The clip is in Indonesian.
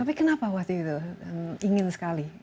tapi kenapa waktu itu ingin sekali